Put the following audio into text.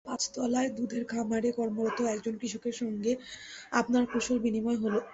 পাঁচতলায় দুধের খামারে কর্মরত একজন কৃষকের সঙ্গে আপনার কুশল বিনিময় হলো।